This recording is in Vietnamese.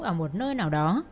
ở một nơi nào đó